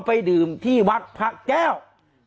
การแก้เคล็ดบางอย่างแค่นั้นเอง